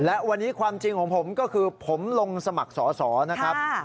และวันนี้ความจริงของผมก็คือผมลงสมัครสอสอนะครับ